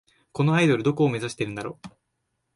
このアイドル、どこを目指してんだろ